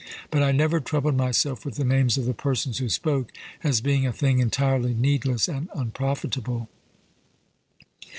But I never troubled myself with the names of the persons who spoke, as being a thing entirely needless and unprofitable.